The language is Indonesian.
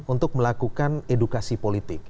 untuk melakukan edukasi politik